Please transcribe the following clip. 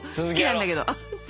好きなんだけど。